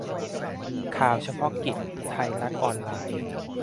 ข่าวเฉพาะกิจ ไทยรัฐออนไลน์